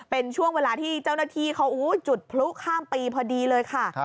เป็นช่วงเวลาที่เจ้าหน้าที่เขาจุดพลุข้ามปีพอดีเลยค่ะ